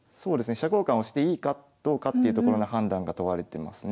飛車交換をしていいかどうかっていうところの判断が問われてますね。